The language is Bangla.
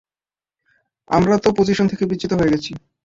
আমরা তো পজিশন থেকে বিচ্যুত হয়ে গেছি।